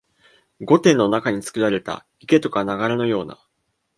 御殿の中につくられた池とか流れのような、